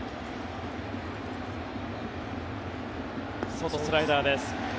外、スライダーです。